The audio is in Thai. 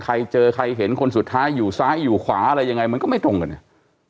ใครเจอใครเห็นคนสุดท้ายอยู่ซ้ายอยู่ขวาอะไรยังไงมันก็ไม่ตรงกันเนี่ย